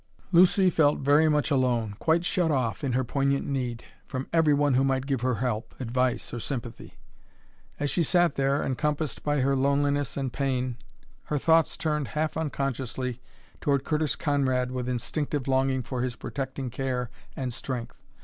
Lucy felt very much alone, quite shut off, in her poignant need, from every one who might give her help, advice, or sympathy. As she sat there, encompassed by her loneliness and pain, her thoughts turned half unconsciously toward Curtis Conrad with instinctive longing for his protecting care and strength.